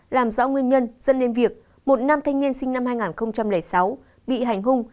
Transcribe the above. làm rõ nguyên nhân dẫn đến việc một nam thanh niên sinh năm hai nghìn sáu bị hành hung